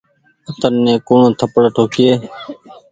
تني ڪوڻ ٿپڙ ٺوڪيئي ۔